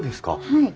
はい。